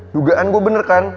dugaan gue bener kan